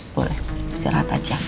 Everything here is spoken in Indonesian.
boleh istirahat aja